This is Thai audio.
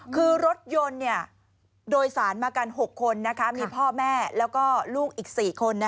คือรถยนต์โดยสารมากัน๖คนมีพ่อแม่แล้วก็ลูกอีก๔คน